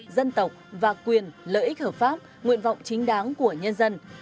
dân tộc và quyền lợi ích hợp pháp nguyện vọng chính đáng của nhân dân